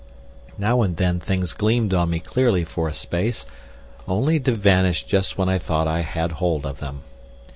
Now and then things gleamed on me clearly for a space, only to vanish just when I thought I had hold of them.